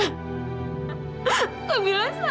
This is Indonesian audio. cuma ibu tempat kamilah bersandar